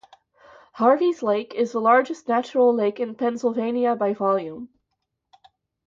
Harveys Lake is the largest natural lake in Pennsylvania by volume.